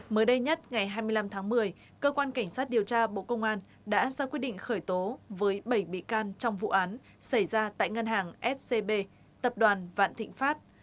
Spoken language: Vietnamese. mới đây nhất ngày hai mươi năm tháng một mươi cơ quan cảnh sát điều tra bộ công an đã ra quyết định khởi tố với bảy bị can trong vụ án xảy ra tại ngân hàng scb tập đoàn vạn thịnh pháp